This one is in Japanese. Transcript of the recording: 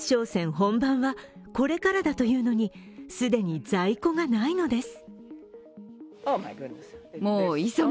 本番はこれからだというのに既に在庫がないのです。